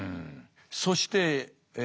そしてえ